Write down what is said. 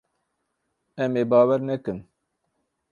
Em ê bawer nekin.